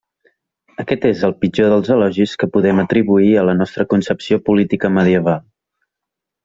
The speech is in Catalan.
Aquest és el millor dels elogis que podem atribuir a la nostra concepció política medieval.